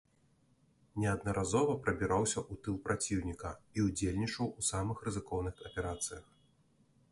Неаднаразова прабіраўся ў тыл праціўніка і ўдзельнічаў у самых рызыкоўных аперацыях.